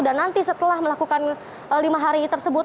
dan nanti setelah melakukan lima hari tersebut